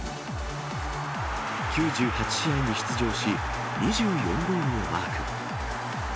９８試合に出場し、２４ゴールをマーク。